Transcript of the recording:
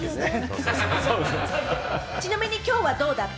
ちなみにきょうはどうだった？